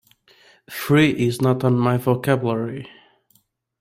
Free is not in my vocabulary.